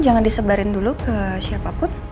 jangan disebarin dulu ke siapapun